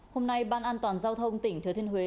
hôm nay ban an toàn giao thông tỉnh thừa thiên huế